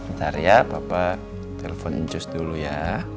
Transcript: bentar ya papa telpon jus dulu ya